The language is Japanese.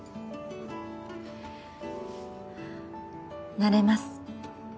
なれます。